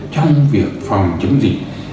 trong việc phòng chống dịch